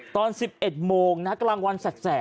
ตอน๑๑โมงนะกำลังวันแสดนะ